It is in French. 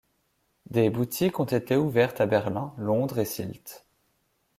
Des boutiques ont été ouvertes à Berlin, Londres et Sylt.